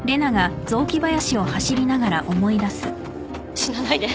死なないで。